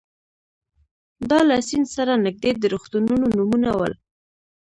دا له سیند سره نږدې د روغتونونو نومونه ول.